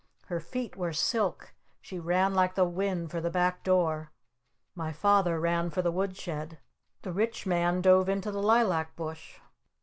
Her feet were silk! She ran like the wind for the back door! My Father ran for the Wood Shed! The Rich Man dove into the Lilac Bush!